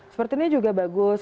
seperti ini juga bagus